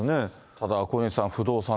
ただ、小西さん、不動産。